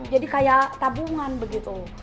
jadi kayak tabungan begitu